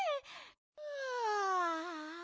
ふあ。